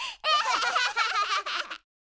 ハハハハ。